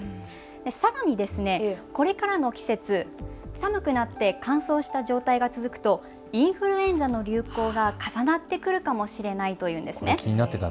さらにこれからの季節、寒くなって乾燥した状態が続くとインフルエンザの流行が重なってくるかもしれないというんですね。